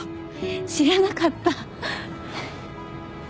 知らなかった。